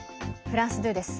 フランス２です。